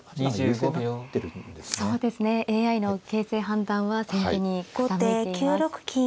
そうですねＡＩの形勢判断は先手に傾いています。